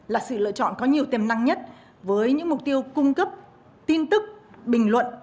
là sự lựa chọn có nhiều tiềm năng nhất với những mục tiêu cung cấp tin tức bình luận